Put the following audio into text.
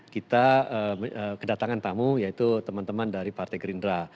kita kedatangan tamu yaitu teman teman dari partai gerindra